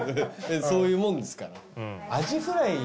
そういうもんですから。